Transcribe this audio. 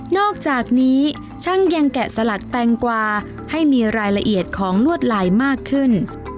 อกจากนี้ช่างยังแกะสลักแตงกวาให้มีรายละเอียดของลวดลายมากขึ้น